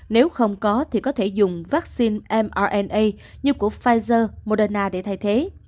nếu không có thì có thể dùng vaccine m như của pfizer moderna để thay thế